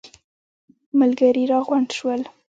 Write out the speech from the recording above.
ملګري راغونډ شول.